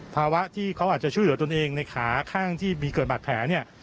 ภาวะที่เขาอาจจะช่วยเหลือตนเองในขาข้างที่มีเกิดบาดแผลเนี่ย